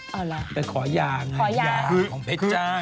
อ๋อเหรอเป็นขอยาไงขอยาของเพชรจ้าไง